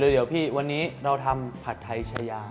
เดี๋ยวพี่วันนี้เราทำผัดไทยชายา